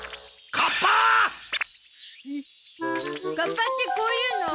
カッパってこういうの？